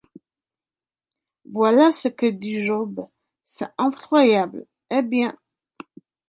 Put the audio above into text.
Voilà ce que dit Job, c’est effroyable, eh bien